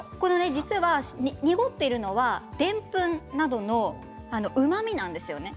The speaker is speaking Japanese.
浅野、濁っているのはでんぷんなどのうまみなんですね。